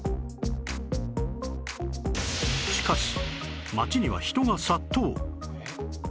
しかし街には人が殺到